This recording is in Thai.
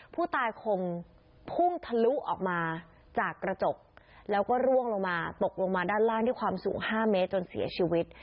ผู้ตายคงพุ่งทะลุออกมาจากกระจกแล้วก็ร่วงลงมาตกลงมาด้านล่างด้วยความสูง๕เมตรจนเสียชีวิต